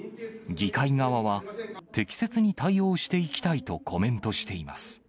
議会側は適切に対応していきたいとコメントしています。